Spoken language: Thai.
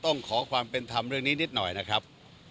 ต้องขอความเป็นธรรมเรื่องนี้นิดหน่อยนะครับ